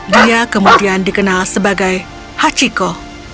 dia kemudian dikenal sebagai hachiko